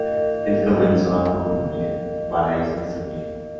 Él comenzó a componer para ese instrumento.